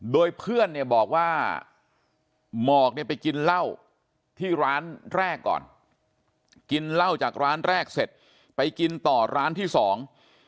โดยเพื่อนเนี่ยบอกว่าหมอกเนี่ยไปกินเหล้าที่ร้านแรกก่อนกินเหล้าจากร้านแรกเสร็จไปกินต่อร้านที่สอง